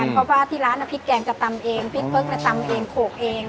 อืมเพราะว่าที่ร้านนะพริกแกงจะตำเองพริกเปิ๊กจะตำเองโขลกเอง